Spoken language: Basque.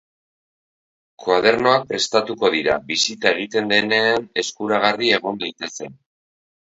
Koadernoak prestatuko dira, bisita egiten denean eskuragarri egon daitezen.